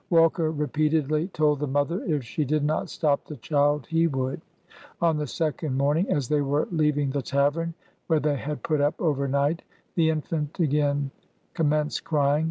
Walker repeatedly told the mother if she did not stop the child, he would. On the second morning, as they were leav ing the tavern where they had put up over night, the infant again commenced crying.